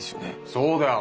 そうだよ！